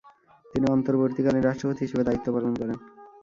তিনি অন্তর্বর্তীকালীন রাষ্ট্রপতি হিসেবে দায়িত্ব পালন করেন।